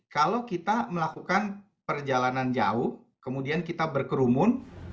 kalau kita melakukan perjalanan jauh kemudian kita berkerumun